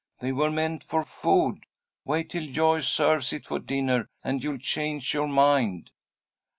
"They were meant for food. Wait till Joyce serves it for dinner, and you'll change your mind."